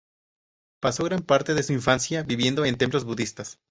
Pasó gran parte de su infancia viviendo en templos budistas.